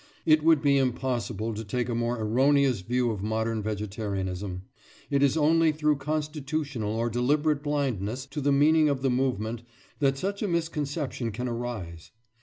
It would be impossible to take a more erroneous view of modern vegetarianism; and it is only through constitutional or deliberate blindness to the meaning of the movement that such a misconception can arise.